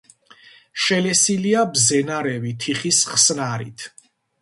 შელესილია ბზენარევი თიხის ხსნარით.